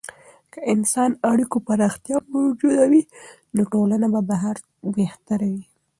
که د انساني اړیکو پراختیا موجوده وي، نو ټولنه به بهتره وي.